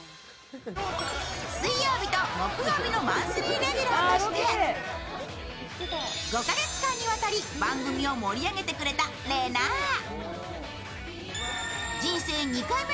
水曜日と木曜日のマンスリーレギュラーとして５カ月間にわたり番組を盛り上げてくれた、れなぁ。